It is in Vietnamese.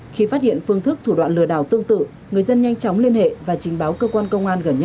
khi phát hiện phương thức thủ đoạn lừa đảo tương tự người dân nhanh chóng liên hệ và trình báo cơ quan công an gần nhất